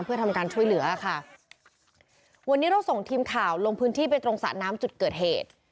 เพื่อทำการช่วยเหลือค่ะวันนี้เราส่งทีมข่าวลงพื้นที่ไปตรงสระน้ำจุดเกิดเหตุ